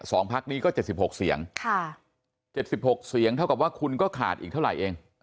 พักนี้ก็เจ็ดสิบหกเสียงค่ะเจ็ดสิบหกเสียงเท่ากับว่าคุณก็ขาดอีกเท่าไหร่เอง